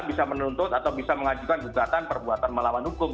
bisa menuntut atau bisa mengajukan gugatan perbuatan melawan hukum